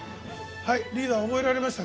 リーダー覚えられましたか？